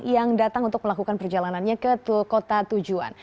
yang datang untuk melakukan perjalanannya ke kota tujuan